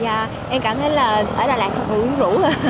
dạ em cảm thấy là ở đà lạt thật đủ đủ